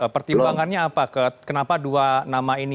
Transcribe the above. pertimbangannya apa kenapa dua nama ini